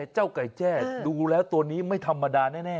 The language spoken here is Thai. เจ้าไก่แจ้ดูแล้วตัวนี้ไม่ธรรมดาแน่